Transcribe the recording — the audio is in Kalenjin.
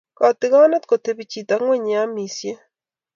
kotikonet kotepi chito ng'weny yee amishiek